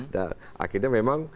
dan akhirnya memang